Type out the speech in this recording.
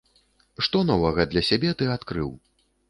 Што новага ты для сябе адкрыў?